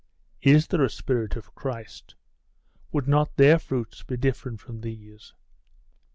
Is there a Spirit of Christ? Would not their fruits be different from these?